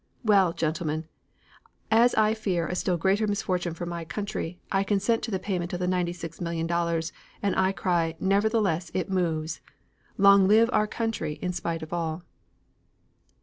Well, gentlemen, as I fear a still greater misfortune for my country I consent to the payment of the $96,000,000 and I cry 'Nevertheless it moves.' Long live our country in spite of all."